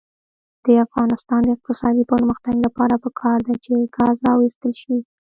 د افغانستان د اقتصادي پرمختګ لپاره پکار ده چې ګاز راوویستل شي.